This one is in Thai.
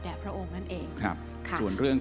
เพราะฉะนั้นเราทำกันเนี่ย